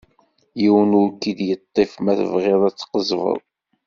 Yiwen ur k-id-yeṭṭif ma tebɣiḍ ad tqezzbeḍ.